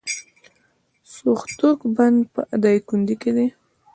د سوختوک بند په دایکنډي کې دی